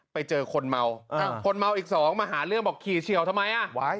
ไปเจอคนเมาคนเมาอีกสองมาหาเรื่องบอกขี่เฉียวทำไมอ่ะ